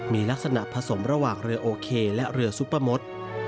มีลักษณะผสมระหว่างเรือโอเคและเรือซุปเปอร์มด